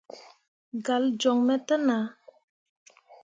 Galle joŋ me te nah.